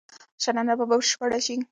شننه به بشپړه شي.